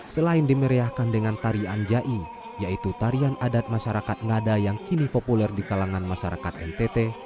selain dimeriahkan dengan tarian jai yaitu tarian adat masyarakat ngada yang kini populer di kalangan masyarakat ntt